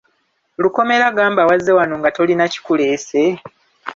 Lukomera gamba wazze wano nga tolina kikuleese?